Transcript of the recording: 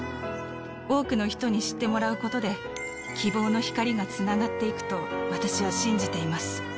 多くの人に知ってもらうことで、希望の光がつながっていくと、私は信じています。